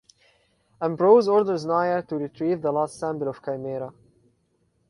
Ambrose orders Nyah to retrieve the last sample of Chimera.